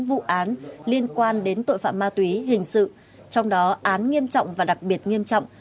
vụ án liên quan đến tội phạm ma túy hình sự trong đó án nghiêm trọng và đặc biệt nghiêm trọng